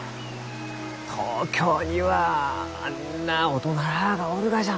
東京にはあんな大人らあがおるがじゃのう。